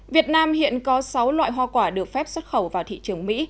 việt nam hiện có sáu loại hoa quả được phép xuất khẩu vào thị trường mỹ